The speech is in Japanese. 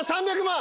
３００万。